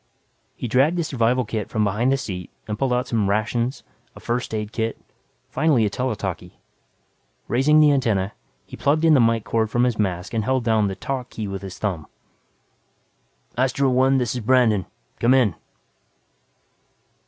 He dragged the survival kit from behind the seat and pulled out some rations, a first aid kit, finally a tele talkie. Raising the antenna, he plugged in the mike cord from his mask and held down the "talk" key with his thumb. "Astro One, this is Brandon. Come in."